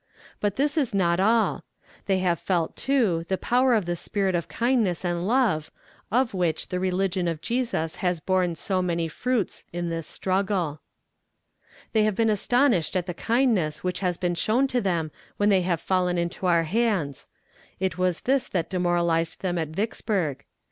But this is not all. They have felt, too, the power of the spirit of kindness and love, of which the religion of Jesus has borne so many fruits in this struggle. "They have been astonished at the kindness which has been shown to them when they have fallen into our hands. It was this that demoralized them at Vicksburg.